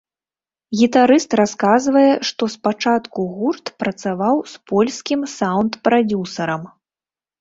Гітарыст расказвае, што спачатку гурт працаваў з польскім саўнд-прадзюсарам.